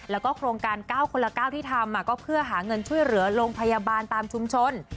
แล้วก็โครงการ๙คนละ๙ที่ทำก็เพื่อหาเงินช่วยเหลือโรงพยาบาลตามชุมชน